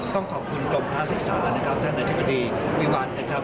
ต้องขอบคุณกรมภาศึกษานะครับท่านอธิบดีวิวัลนะครับ